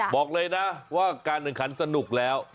บอกเลยนะว่าการแข่งขันสนุกแล้ว